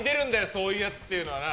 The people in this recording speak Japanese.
そういうやつっていうのはな。